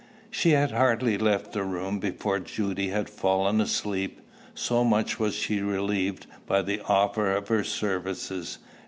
She had hardly left the room before Judy had fallen asleep, so much was she relieved by the offer of her services.